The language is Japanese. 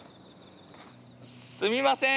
すみません。